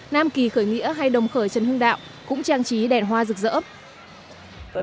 nam kỳ khởi nghĩa hay đồng khởi trần hưng đạo cũng trang trí đèn hoa rực rỡ